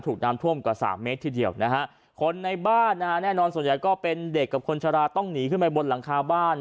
ถูกน้ำท่วมกว่าสามเมตรทีเดียวนะฮะคนในบ้านนะฮะแน่นอนส่วนใหญ่ก็เป็นเด็กกับคนชะลาต้องหนีขึ้นไปบนหลังคาบ้าน